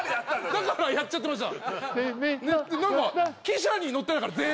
だからやっちゃってました